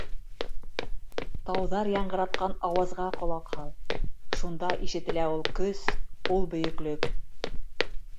Тауҙар яңғыратҡан ауазға ҡолаҡ һал - шунда ишетелә ул көс, ул бөйөклөк.